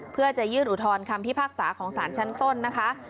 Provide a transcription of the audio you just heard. เพื่อจะยื่นอุทธรณคำพิพากษาของสารชั้นต้นนะคะ